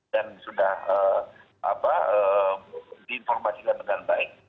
dan sudah diinformasikan dengan baik